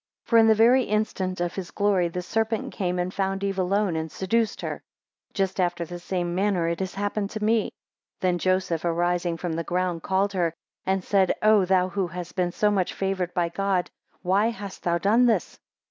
6 For in the very instant of his glory, the serpent came and found Eve alone, and seduced her. 7 Just after the same manner it has happened to me. 8 Then Joseph arising from the ground, called her, and said, O thou who hast been so much favoured by God, why hast thou done this?